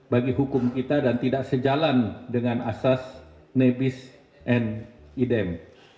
bagi hukum kita dan tidak sejalan dengan asas nebis antidem